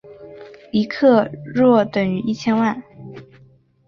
一克若等于一千万。